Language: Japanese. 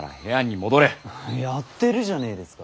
やってるじゃねえですか。